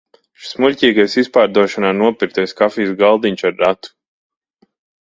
Šis muļķīgais izpārdošanā nopirktais kafijas galdiņš ar ratu!